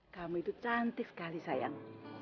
kamu itu cantik sekali sayang